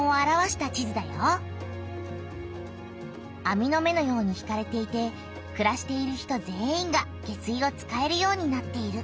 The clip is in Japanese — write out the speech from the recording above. あみの目のように引かれていてくらしている人全員が下水を使えるようになっている。